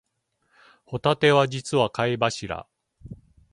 ホタテは実は貝柱